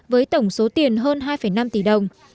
với tổng số tiền hơn hai năm tỷ đồng